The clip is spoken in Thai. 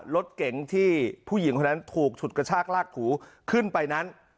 รถเก๋งที่ผู้หญิงคนนั้นถูกฉุดกระชากลากถูขึ้นไปนั้น